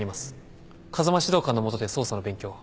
風間指導官の下で捜査の勉強を。